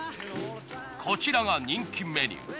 こちらが人気メニュー。